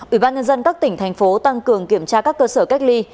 ủy ban nhân dân các tỉnh thành phố tăng cường kiểm tra các cơ sở cách ly